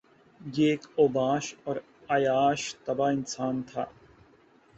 یہ ایک اوباش اور عیاش طبع انسان تھا